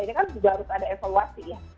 ini kan juga harus ada evaluasi ya